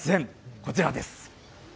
こちらです。